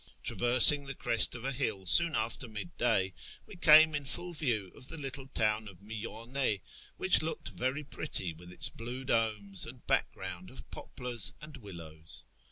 Traversing the crest of a hill soon after mid day, we came in full view of the little town of Miyane, which looked very pretty with its blue domes and background of poplars and willows.